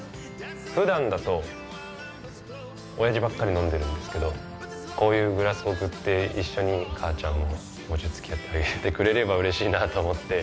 普段だと親父ばっかり飲んでるんですけどこういうグラスを贈って一緒に母ちゃんももうちょい付き合ってあげてくれればうれしいなと思って。